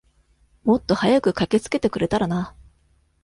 もっと早く駆けつけてくれたらな。